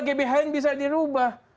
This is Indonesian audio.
gbhn bisa dirubah